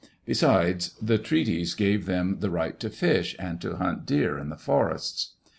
Besides, the treaties gave them the right to fish, and to hunt deer in the forests.